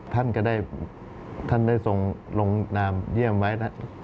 ท่านก็ได้ท่านได้ทรงลงนามเยี่ยมไว้นะ